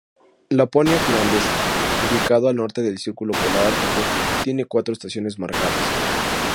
Laponia finlandesa, ubicado al norte del Círculo Polar Ártico, tiene cuatro estaciones marcadas.